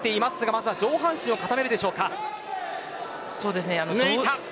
まずは上半身を固めるでしょうか。